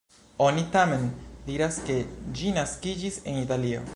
Oni tamen diras ke ĝi naskiĝis en Italio.